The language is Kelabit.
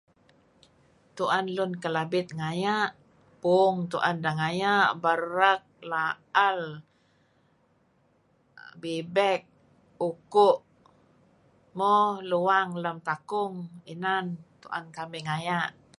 Tuen Lun Kelabit ngaya' puung, tuen deh ngaya' berek, laal, bibek, uku', mo luang lem takung inan tuen kamih ngaya'.